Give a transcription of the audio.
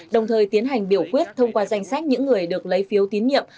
đồng thời tiến hành biểu quyết thông qua danh sách những người được lấy phiếu tín nhiệm